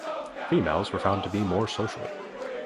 Females were found to be more social.